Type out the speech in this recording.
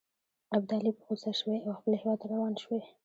ابدالي په غوسه شوی او خپل هیواد ته روان شوی.